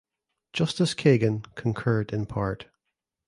Justice Kagan concurred in part.